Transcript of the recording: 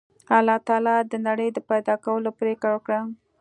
الله تعالی د نړۍ د پیدا کولو پرېکړه وکړه